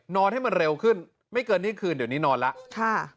นอนให้มันเร็วขึ้นไม่เกินที่คืนเดี๋ยวนี้นอนละ